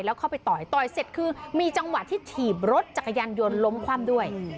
แล้วเข้าไปต่อยต่อยเสร็จคือมีจังหวะที่ถีบรถจักรยานยนต์ล้มคว่ำด้วย